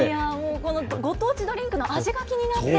このご当地ドリンクの味が気になって。